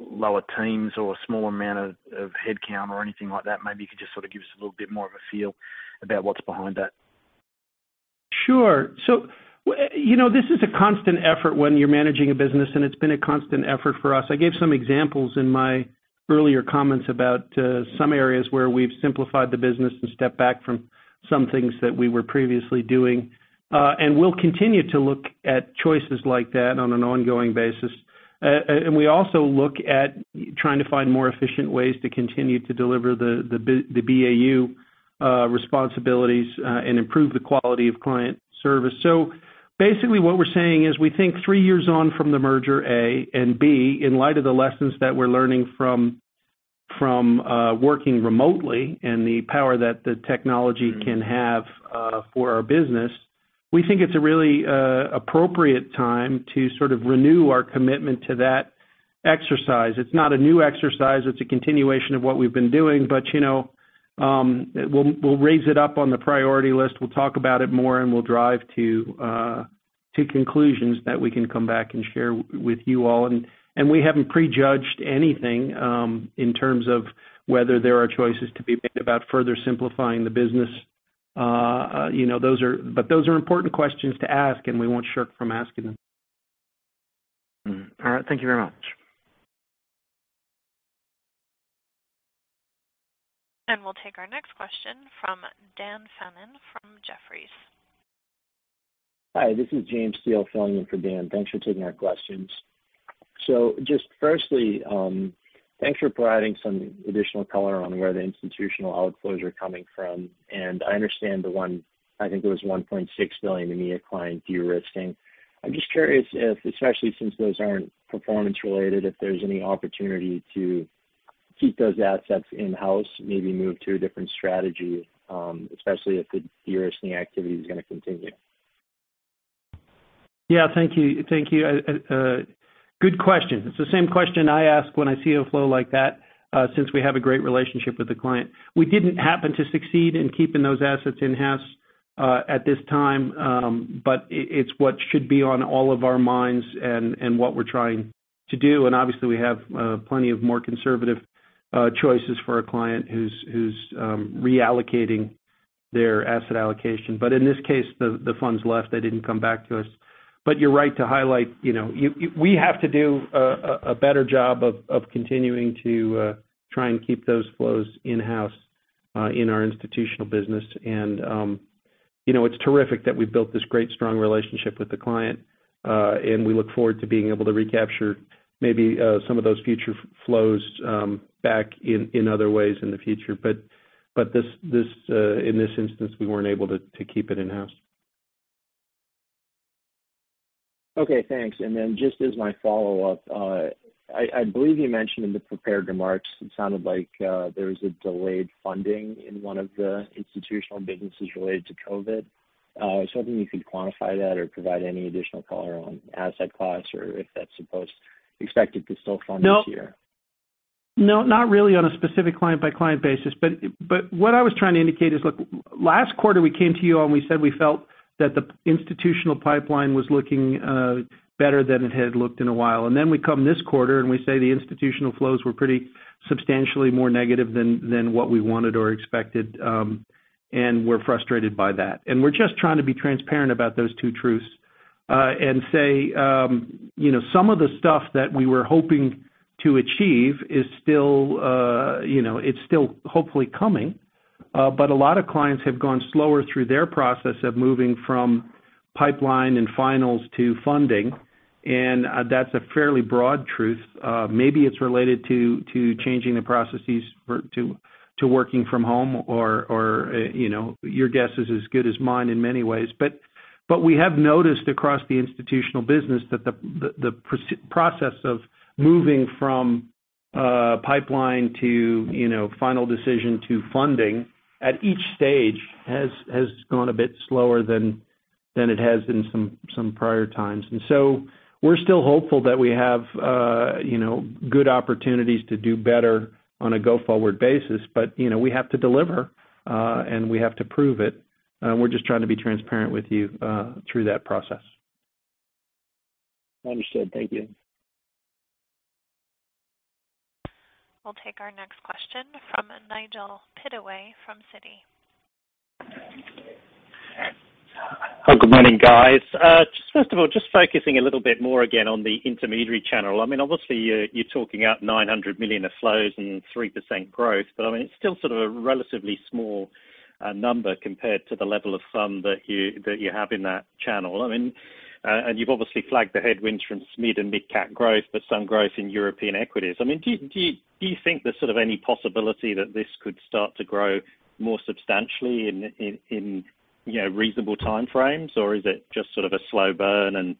lower teams or a small amount of headcount or anything like that. Maybe you could just sort of give us a little bit more of a feel about what's behind that. Sure. This is a constant effort when you're managing a business, and it's been a constant effort for us. I gave some examples in my earlier comments about some areas where we've simplified the business and stepped back from some things that we were previously doing. We'll continue to look at choices like that on an ongoing basis. We also look at trying to find more efficient ways to continue to deliver the BAU responsibilities and improve the quality of client service. What we're saying is we think three years on from the merger, A, and B, in light of the lessons that we're learning from working remotely and the power that the technology can have for our business, we think it's a really appropriate time to sort of renew our commitment to that exercise. It's not a new exercise, it's a continuation of what we've been doing. We'll raise it up on the priority list. We'll talk about it more, and we'll drive to conclusions that we can come back and share with you all. We haven't prejudged anything in terms of whether there are choices to be made about further simplifying the business. Those are important questions to ask, and we won't shirk from asking them. All right. Thank you very much. We'll take our next question from Dan Fannon from Jefferies. Hi, this is James Steele filling in for Dan. Thanks for taking our questions. Just firstly, thanks for providing some additional color on where the institutional outflows are coming from. I understand the one, I think it was $1.6 million EMEA client de-risking. I'm just curious if, especially since those aren't performance related, if there's any opportunity to keep those assets in-house, maybe move to a different strategy, especially if the de-risking activity is going to continue. Yeah. Thank you. Good question. It's the same question I ask when I see a flow like that since we have a great relationship with the client. We didn't happen to succeed in keeping those assets in-house at this time. It's what should be on all of our minds and what we're trying to do. Obviously, we have plenty of more conservative choices for a client who's reallocating their asset allocation. In this case, the funds left, they didn't come back to us. You're right to highlight we have to do a better job of continuing to try and keep those flows in-house in our institutional business. It's terrific that we've built this great, strong relationship with the client. We look forward to being able to recapture maybe some of those future flows back in other ways in the future. In this instance, we weren't able to keep it in-house. Okay. Thanks. Then just as my follow-up, I believe you mentioned in the prepared remarks, it sounded like there was a delayed funding in one of the institutional businesses related to COVID. I was hoping you could quantify that or provide any additional color on asset class or if that's supposed expected to still fund this year? No, not really on a specific client-by-client basis. What I was trying to indicate is, look, last quarter, we came to you, and we said we felt that the institutional pipeline was looking better than it had looked in a while. We come this quarter, and we say the institutional flows were pretty substantially more negative than what we wanted or expected, and we're frustrated by that. We're just trying to be transparent about those two truths, and say some of the stuff that we were hoping to achieve it's still hopefully coming. A lot of clients have gone slower through their process of moving from pipeline and finals to funding, and that's a fairly broad truth. Maybe it's related to changing the processes to working from home or your guess is as good as mine in many ways. We have noticed across the institutional business that the process of moving from pipeline to final decision to funding at each stage has gone a bit slower than it has in some prior times. So we're still hopeful that we have good opportunities to do better on a go-forward basis. We have to deliver, and we have to prove it. We're just trying to be transparent with you through that process. Understood. Thank you. We'll take our next question from Nigel Pittaway from Citi. Good morning, guys. First of all, focusing a little bit more again on the intermediary channel, obviously, you're talking up $900 million of flows and 3% growth. It's still sort of a relatively small number compared to the level of some that you have in that channel. You've obviously flagged the headwinds from SMID and mid-cap growth, but some growth in European equities. Do you think there's any possibility that this could start to grow more substantially in reasonable time frames? Is it just a slow burn, and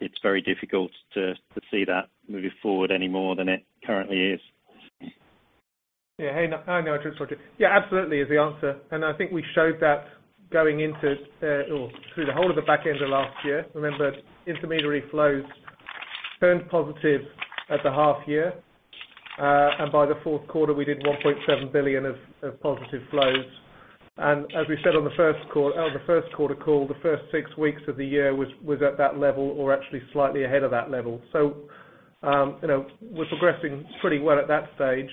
it's very difficult to see that moving forward any more than it currently is? Yeah. Hey, Nigel. Sorry. Yeah, absolutely is the answer. I think we showed that going into or through the whole of the back end of last year. Remember, intermediary flows turned positive at the half year. By the fourth quarter, we did $1.7 billion of positive flows. As we said on the first quarter call, the first six weeks of the year was at that level or actually slightly ahead of that level. We're progressing pretty well at that stage.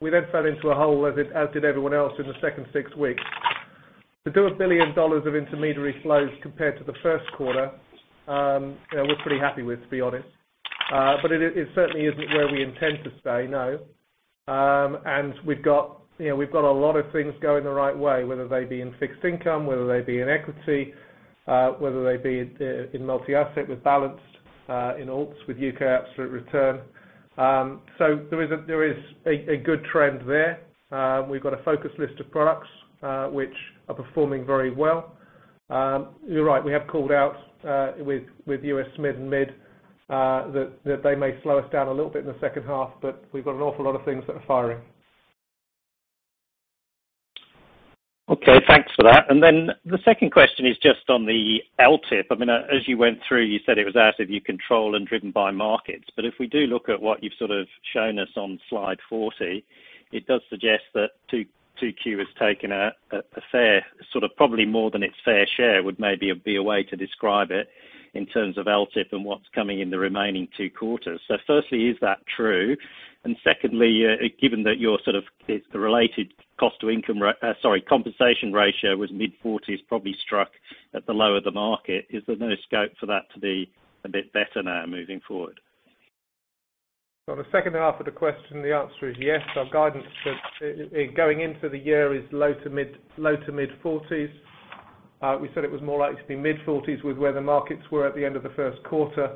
We fell into a hole, as did everyone else in the second six weeks. To do $1 billion of intermediary flows compared to the first quarter, we're pretty happy with, to be honest. It certainly isn't where we intend to stay, no. We've got a lot of things going the right way, whether they be in fixed income, whether they be in equity, whether they be in multi-asset with balanced in alts with U.K. Absolute Return. There is a good trend there. We've got a focused list of products which are performing very well. You're right, we have called out with U.S. SMID and mid that they may slow us down a little bit in the second half, but we've got an awful lot of things that are firing. Okay. Thanks for that. The second question is just on the LTIP. As you went through, you said it was out of your control and driven by markets. If we do look at what you've shown us on slide 40, it does suggest that 2Q has taken a fair, probably more than its fair share, would maybe be a way to describe it in terms of LTIP and what's coming in the remaining two quarters. Firstly, is that true? Secondly, given that your related compensation ratio was mid-40%s, probably struck at the low of the market, is there no scope for that to be a bit better now moving forward? On the second half of the question, the answer is yes. Our guidance going into the year is low to mid-40%s. We said it was more likely to be mid-40%s with where the markets were at the end of the first quarter.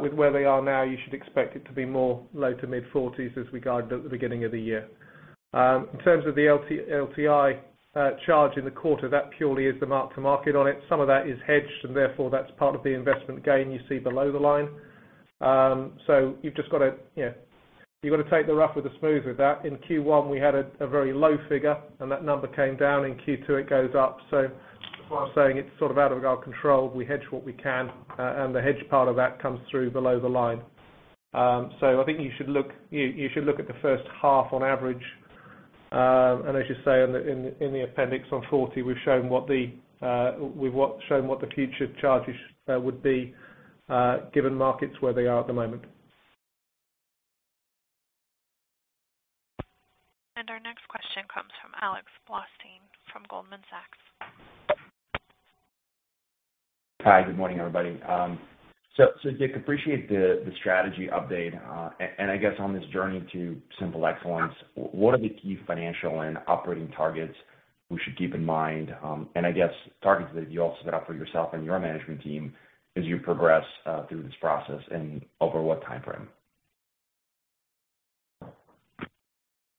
With where they are now, you should expect it to be more low to mid-40%s as we guided at the beginning of the year. In terms of the LTI charge in the quarter, that purely is the mark-to-market on it. Some of that is hedged, and therefore that's part of the investment gain you see below the line. You've just got to take the rough with the smooth with that. In Q1, we had a very low figure, and that number came down. In Q2, it goes up. That's why I'm saying it's out of our control. We hedge what we can. The hedge part of that comes through below the line. I think you should look at the first half on average. As you say, in the appendix on 40%, we've shown what the future charges would be given markets where they are at the moment. Our next question comes from Alex Blostein from Goldman Sachs. Hi, good morning, everybody. Dick, appreciate the strategy update. I guess on this journey to simple excellence, what are the key financial and operating targets we should keep in mind? I guess targets that you all set up for yourself and your management team as you progress through this process and over what timeframe?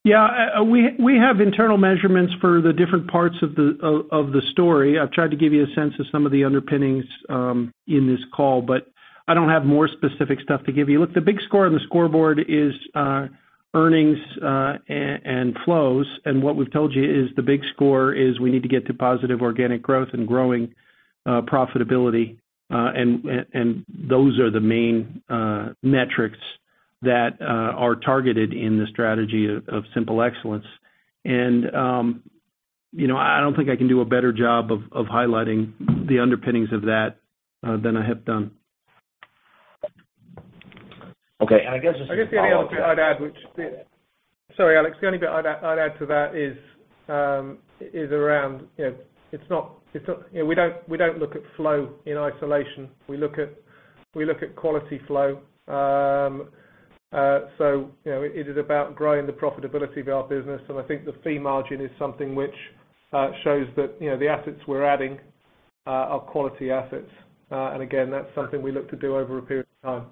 Yeah. We have internal measurements for the different parts of the story. I've tried to give you a sense of some of the underpinnings in this call, but I don't have more specific stuff to give you. Look, the big score on the scoreboard is earnings and flows. What we've told you is the big score is we need to get to positive organic growth and growing profitability. Those are the main metrics that are targeted in the strategy of simple excellence. I don't think I can do a better job of highlighting the underpinnings of that than I have done. Okay. I guess just to follow up. I guess the only other bit I'd add. Sorry, Alex. The only bit I'd add to that is around, we don't look at flow in isolation. We look at quality flow. It is about growing the profitability of our business, and I think the fee margin is something which shows that the assets we're adding are quality assets. Again, that's something we look to do over a period of time.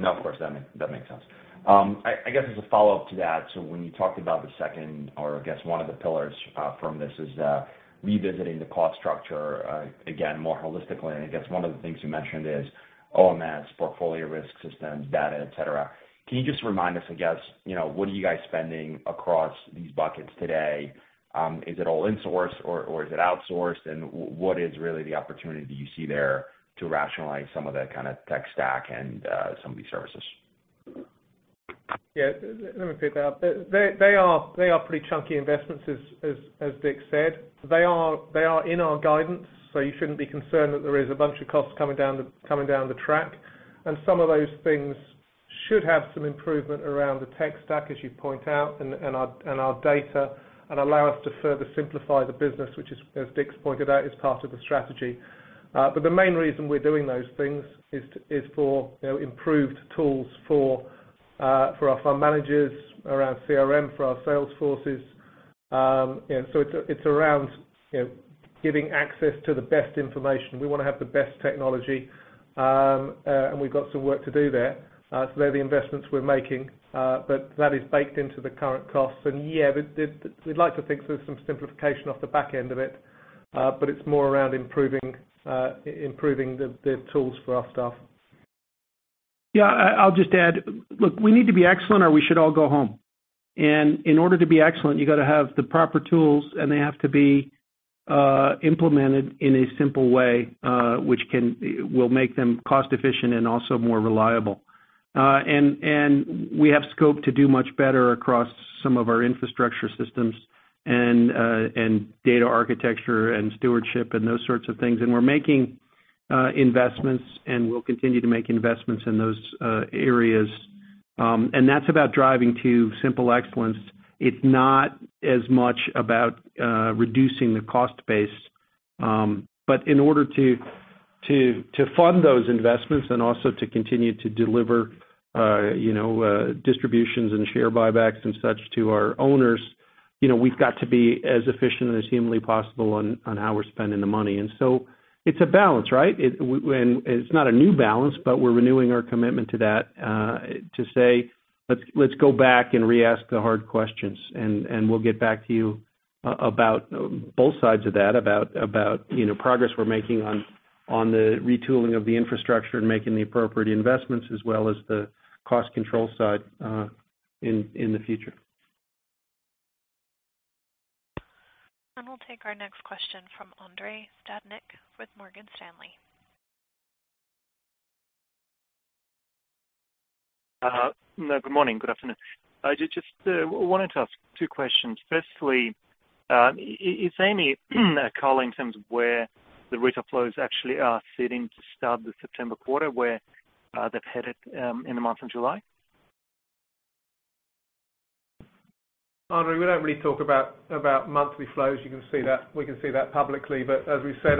No, of course. That makes sense. I guess as a follow-up to that, when you talked about the second or I guess one of the pillars from this is revisiting the cost structure again more holistically, and I guess one of the things you mentioned is OMS, portfolio risk systems, data, et cetera. Can you just remind us, I guess, what are you guys spending across these buckets today? Is it all insourced or is it outsourced? What is really the opportunity you see there to rationalize some of that kind of tech stack and some of these services? Let me pick that up. They are pretty chunky investments as Dick said. They are in our guidance, so you shouldn't be concerned that there is a bunch of costs coming down the track. Some of those things should have some improvement around the tech stack, as you point out, and our data, and allow us to further simplify the business, which as Dick's pointed out, is part of the strategy. The main reason we're doing those things is for improved tools for our fund managers around CRM, for our sales forces. It's around giving access to the best information. We want to have the best technology, and we've got some work to do there. They're the investments we're making, but that is baked into the current costs. Yeah, we'd like to think there's some simplification off the back end of it, but it's more around improving the tools for our staff. Yeah, I'll just add. Look, we need to be excellent or we should all go home. In order to be excellent, you got to have the proper tools, and they have to be implemented in a simple way, which will make them cost efficient and also more reliable. We have scope to do much better across some of our infrastructure systems and data architecture and stewardship and those sorts of things. We're making investments, and we'll continue to make investments in those areas. That's about driving to simple excellence. It's not as much about reducing the cost base. In order to fund those investments and also to continue to deliver distributions and share buybacks and such to our owners, we've got to be as efficient as humanly possible on how we're spending the money. It's a balance, right? It's not a new balance, but we're renewing our commitment to that, to say, "Let's go back and re-ask the hard questions." We'll get back to you about both sides of that, about progress we're making on the retooling of the infrastructure and making the appropriate investments as well as the cost control side in the future. We'll take our next question from Andrei Stadnik with Morgan Stanley. Good morning. Good afternoon. I just wanted to ask two questions. Firstly, is there any color in terms of where the retail flows actually are sitting to start the September quarter, where they've headed in the month of July? Andrei, we don't really talk about monthly flows. As we said,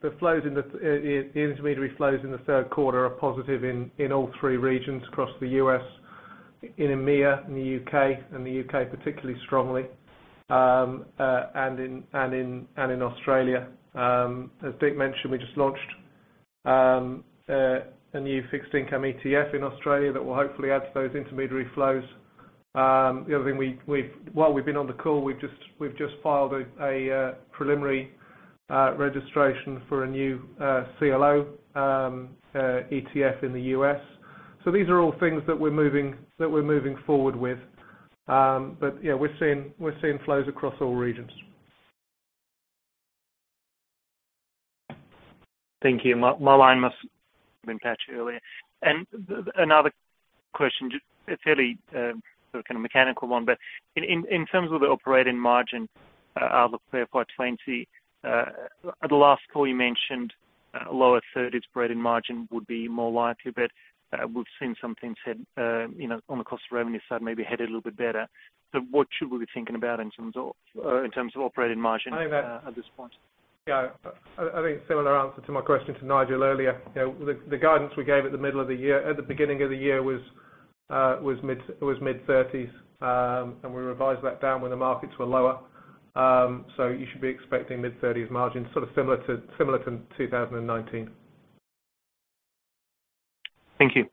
the intermediary flows in the third quarter are positive in all three regions across the U.S., in EMEA, in the U.K., and the U.K. particularly strongly, and in Australia. As Dick mentioned, we just launched a new fixed income ETF in Australia that will hopefully add to those intermediary flows. The other thing, while we've been on the call, we've just filed a preliminary registration for a new CLO ETF in the U.S. Yeah, we're seeing flows across all regions. Thank you. My line must have been patchy earlier. Another question, a fairly sort of mechanical one, but in terms of the operating margin outlook for 2020, at the last call, you mentioned lower 30% spreading margin would be more likely, but we've seen some things on the cost of revenue side maybe headed a little bit better. What should we be thinking about in terms of operating margin at this point? I think similar answer to my question to Nigel earlier. The guidance we gave at the beginning of the year was mid-30%s, and we revised that down when the markets were lower. You should be expecting mid-30%s margins, sort of similar to 2019. Thank you.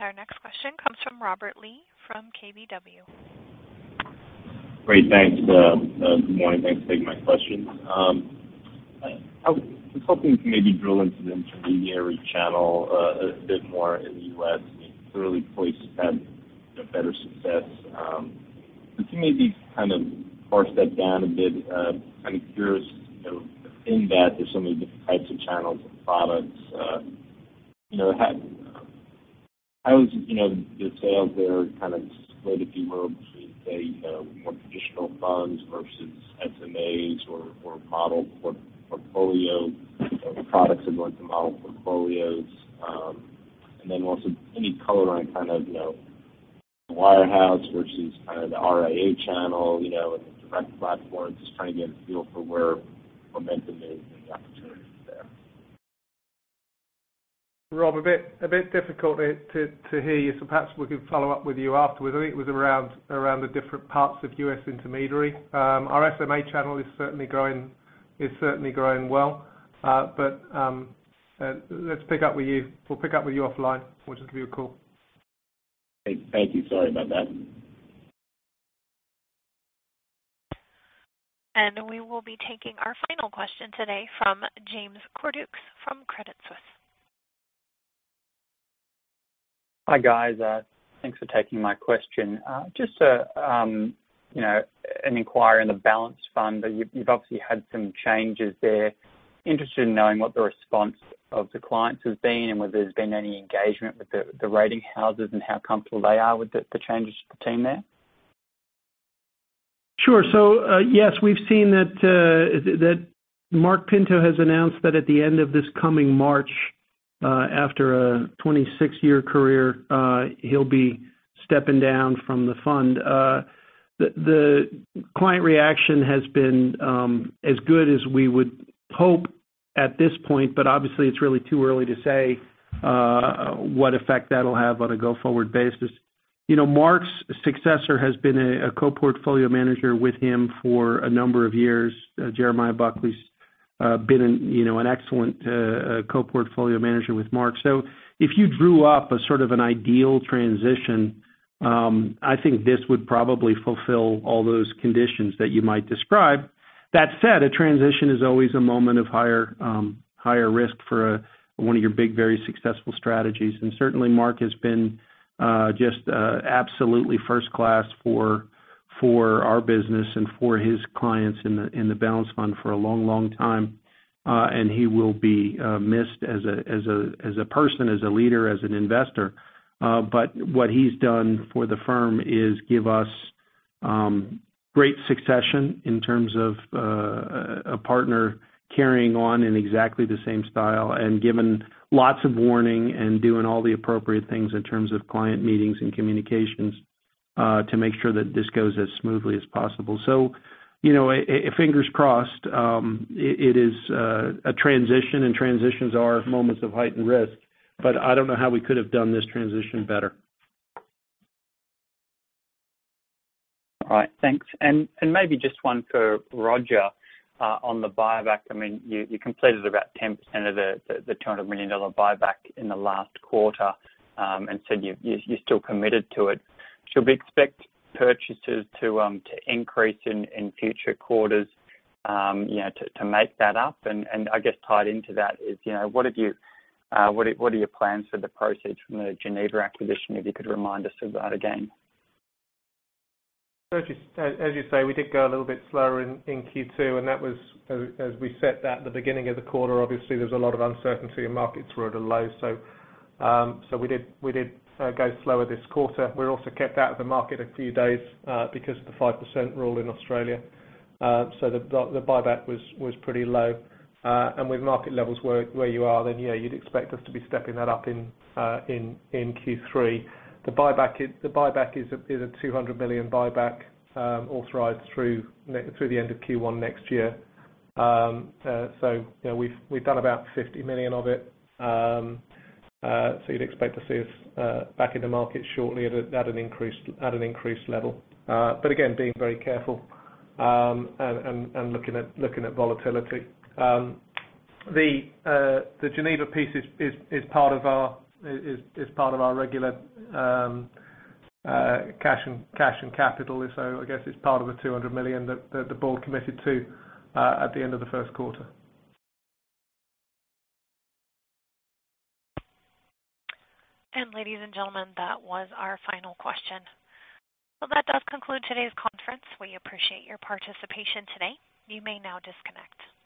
Our next question comes from Robert Lee from KBW. Great. Thanks. Good morning. Thanks for taking my question. I was hoping to maybe drill into the intermediary channel a bit more in the U.S. You clearly placed that better success. Can you maybe kind of parse that down a bit? I'm curious within that, there's so many different types of channels and products. How is the tail there kind of split, if you will, between, say, more traditional funds versus SMAs or model portfolio products like the model portfolios? Also any color on kind of wirehouse versus the RIA channel and the direct platforms. Just trying to get a feel for where momentum is and the opportunities there. Rob, a bit difficult to hear you. Perhaps we can follow up with you afterwards. I think it was around the different parts of U.S. intermediary. Our SMA channel is certainly growing well. Let's pick up with you. We'll pick up with you offline. We'll just give you a call. Thank you. Sorry about that. We will be taking our final question today from James Cordukes from Credit Suisse. Hi, guys. Thanks for taking my question. Just an inquiry on the Balanced Fund. You've obviously had some changes there. Interested in knowing what the response of the clients has been, whether there's been any engagement with the rating houses and how comfortable they are with the changes to the team there. Sure. Yes, we've seen that Marc Pinto has announced that at the end of this coming March, after a 26-year career, he'll be stepping down from the fund. The client reaction has been as good as we would hope at this point, obviously it's really too early to say what effect that'll have on a go-forward basis. Marc's successor has been a co-portfolio manager with him for a number of years. Jeremiah Buckley's been an excellent co-portfolio manager with Marc. If you drew up a sort of an ideal transition, I think this would probably fulfill all those conditions that you might describe. That said, a transition is always a moment of higher risk for one of your big, very successful strategies. Certainly Marc has been just absolutely first-class for our business and for his clients in the Balanced Fund for a long time. He will be missed as a person, as a leader, as an investor. What he's done for the firm is give us great succession in terms of a partner carrying on in exactly the same style and given lots of warning and doing all the appropriate things in terms of client meetings and communications to make sure that this goes as smoothly as possible. Fingers crossed, it is a transition, and transitions are moments of heightened risk. I don't know how we could have done this transition better. All right. Thanks. Maybe just one for Roger on the buyback. You completed about 10% of the $200 million buyback in the last quarter, and said you're still committed to it. Should we expect purchases to increase in future quarters to make that up? I guess tied into that is, what are your plans for the proceeds from the Geneva acquisition, if you could remind us of that again? As you say, we did go a little bit slower in Q2, and that was as we set that at the beginning of the quarter. Obviously, there was a lot of uncertainty, and markets were at a low. We did go slower this quarter. We were also kept out of the market a few days because of the 5% rule in Australia. The buyback was pretty low. With market levels where you are, you'd expect us to be stepping that up in Q3. The buyback is a $200 million buyback authorized through the end of Q1 next year. We've done about $50 million of it. You'd expect to see us back in the market shortly at an increased level. Again, being very careful and looking at volatility. The Geneva piece is part of our regular cash and capital. I guess it's part of the $200 million that the board committed to at the end of the first quarter. ladies and gentlemen, that was our final question. Well, that does conclude today's conference. We appreciate your participation today. You may now disconnect.